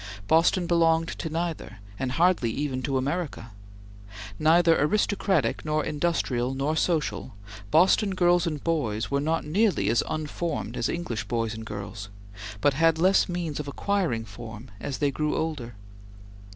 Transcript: Boston belonged to neither, and hardly even to America. Neither aristocratic nor industrial nor social, Boston girls and boys were not nearly as unformed as English boys and girls, but had less means of acquiring form as they grew older.